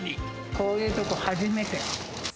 こういうとこ初めて。